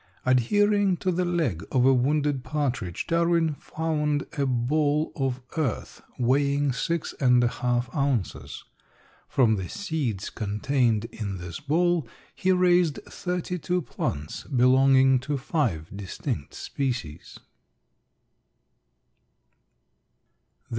Adhering to the leg of a wounded partridge, Darwin found a ball of earth weighing six and a half ounces. From the seeds contained in this ball he raised thirty two plants belonging to five distinct species.